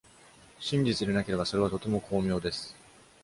真実でなければ、それはとても巧妙です。